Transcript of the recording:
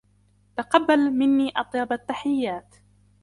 تقبل مني أطيب التحيات.